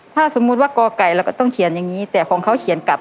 ถ้าสมมุติว่าก่อไก่เราก็ต้องเขียนอย่างนี้แต่ของเขาเขียนกลับ